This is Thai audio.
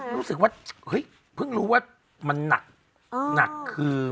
รู้สึกว่าเฮ้ยเพิ่งรู้ว่ามันหนักหนักคือ